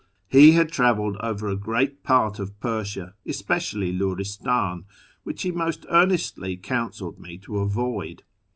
He had travelled over a great part of Persia, especially Luristan, which he most earnestly counselled me to avoid.